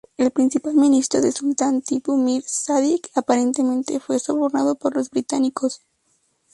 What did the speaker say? El principal ministro del Sultán Tipu, Mir Sadiq, aparentemente fue sobornado por los británicos.